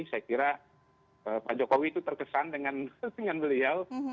saya kira pak jokowi itu terkesan dengan beliau